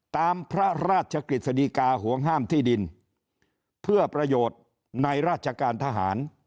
ตามพระราชกฤษฎีกาห่วงห้ามที่ดินเพื่อประโยชน์ในราชการทหาร